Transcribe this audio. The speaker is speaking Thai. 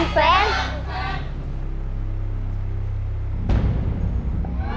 ๑แสน